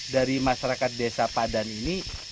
dari masyarakat desa padan ini